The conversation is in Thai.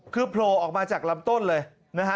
คือโผล่ออกมาจากลำต้นเลยนะฮะ